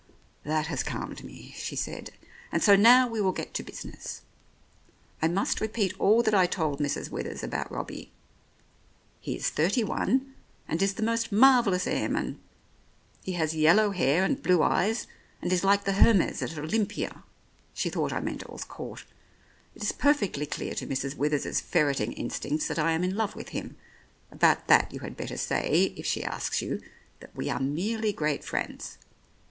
"That has calmed me," she said, "and so now we will get to business. I must repeat all that I told Mrs. Withers about Robbie. He is thirty one, and is the most marvellous airman. He has yellow hair and blue eyes, and is like the Hermes at Olympia (she thought I meant Earl's Court). It is perfectly clear to Mrs. Withers's ferreting instincts that I am in love with him ; about that you had better say, if 92 The Oriolists she asks you, that we are merely great friends.